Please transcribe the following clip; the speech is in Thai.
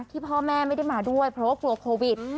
ที่พ่อแม่ไม่ได้มาด้วยเพราะว่ากลัวโควิด